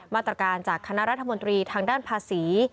มาตรการจากคณะรัฐมนตรีทางด้านภาษี